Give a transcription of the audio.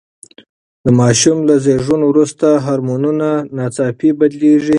د ماشوم له زېږون وروسته هورمونونه ناڅاپي بدلیږي.